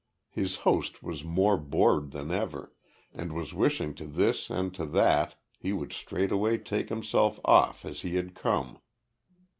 His host was more bored than ever, and was wishing to this and to that he would straightway take himself off as he had come.